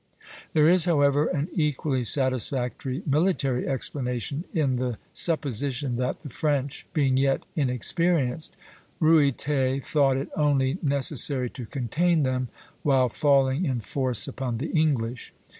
There is, however, an equally satisfactory military explanation in the supposition that, the French being yet inexperienced, Ruyter thought it only necessary to contain them while falling in force upon the English.